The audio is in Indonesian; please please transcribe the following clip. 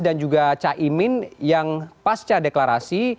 dan juga ca imin yang pasca deklarasi